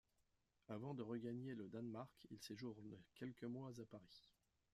Avant de regagner le Danemark, il séjourne quelques mois à Paris.